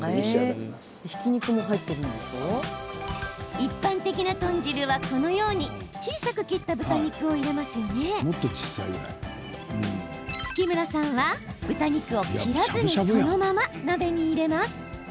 一般的な豚汁は、このように小さく切った豚肉を入れますが月村さんは、豚肉を切らずにそのまま鍋に入れます。